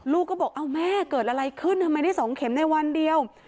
ลูกก็บอกเอาแม่เกิดอะไรขึ้นทำไมได้๒เข็มในวันเดียว